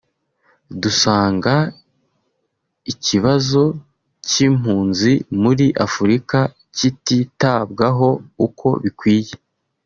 dusanga ikibazo cy’impunzi muri Afurika kititabwaho uko bikwiye